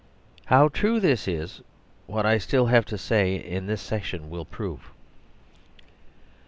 How true this is what I still 'have to say in this section will prove.